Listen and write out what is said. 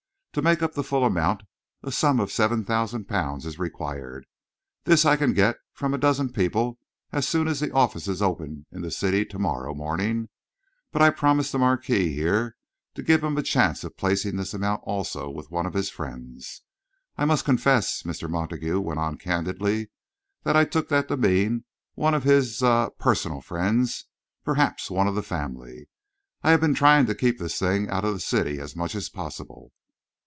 To make up the full amount, a sum of seven thousand pounds is required. This I can get from a dozen people as soon as the office is open in the City to morrow morning, but I promised the Marquis here to give him a chance of placing this amount also with one of his friends. I must confess," Mr. Montague went on candidly, "that I took that to mean one of his er personal friends perhaps one of the family. I have been trying to keep the thing out of the City as much as possible."